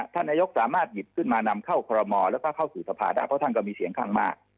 ท่านนายกสามารถหยิบขึ้นมานำเข้าคอรมอแล้วก็เข้าสู่สภาได้เพราะท่านก็มีเสียงข้างมาก